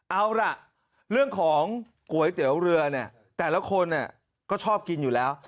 เอาล่ะเรื่องของก๋วยเตี๋ยวเรือเนี่ยแต่ละคนก็ชอบกินอยู่แล้ว